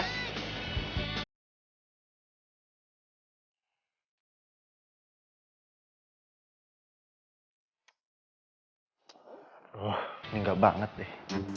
wah ini enggak banget deh